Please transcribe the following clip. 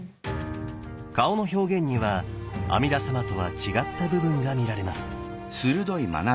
顔の表現には阿弥陀様とは違った部分が見られます。